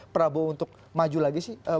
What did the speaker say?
prabowo untuk maju lagi sih